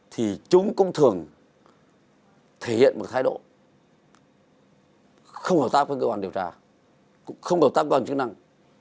thì chúng cũng thường thể hiện một thái độ không hợp tác với cơ quan điều trả không hợp tác với cơ quan chức năng